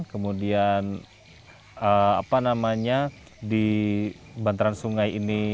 kemudian di banteran sungai ini